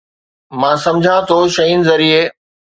مان سمجهان ٿو شين ذريعي